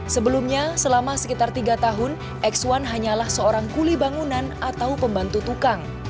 sebelumnya selama sekitar tiga tahun x satu hanyalah seorang kuli bangunan atau pembantu tukang